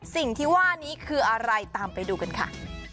สิ่งที่ว่านี้คืออะไรตามไปดูกันค่ะ